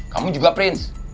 kamu juga prins